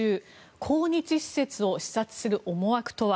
抗日施設を視察する思惑とは。